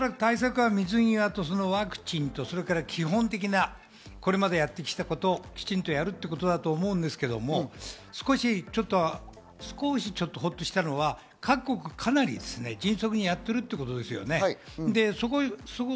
対策は水際とワクチンと基本的なこれまでやってきたことをきちんとやるということだと思うんですが、少しほっとしたのは各国、かなり迅速にやってるということですよね。